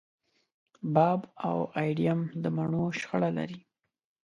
باب او اېډم د مڼو شخړه لري.